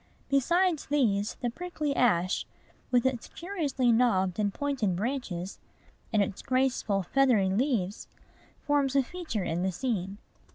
Besides these, the prickly ash, with its curiously knobbed and pointed branches, and its graceful, feathery leaves, forms a feature in the scene.